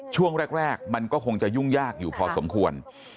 ช่วงแรกมันก็คงจะยุ่งยากอยู่พอสมควร